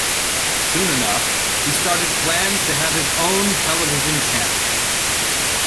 Soon enough, he started plans to have his own television channel.